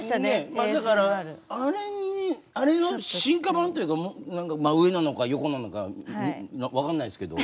まあだからあれあれの進化版っていうか何か上なのか横なのか分かんないですけど。